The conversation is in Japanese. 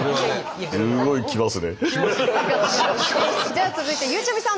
じゃあ続いてゆうちゃみさん